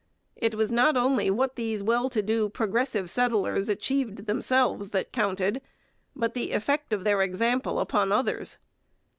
It was not only what these well to do, progressive settlers achieved themselves that counted, but the effect of their example upon others.